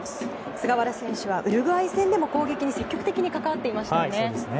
菅原選手はウルグアイ戦でも攻撃に積極的に関わっていましたよね。